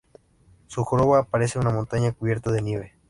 Su joroba parece una montaña cubierta de nieve.